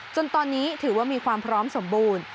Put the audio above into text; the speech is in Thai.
จนตอนนี้ถือว่ามีความพร้อมสมบูรณ์